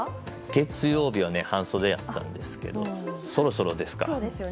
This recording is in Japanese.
月曜日は半袖だったんですけどそろそろですかね。